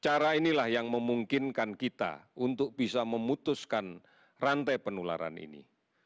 cara inilah yang memungkinkan kita untuk bisa memutuskan rantai penularan ini